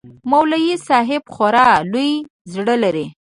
مولوى صاحب خورا لوى زړه لري.